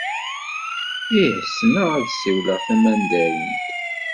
Ih. Ssneɣ ad ssiwleɣ tamandarint.